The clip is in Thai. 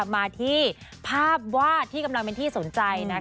มาที่ภาพวาดที่กำลังเป็นที่สนใจ